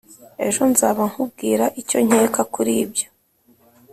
Ejo nzaba nkubwira Icyo nkeka kuri ibyo